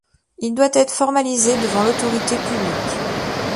Il doit être formalisé devant l'autorité publique.